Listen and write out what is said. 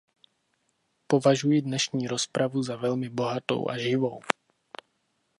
Považuji dnešní rozpravu za velmi bohatou a živou.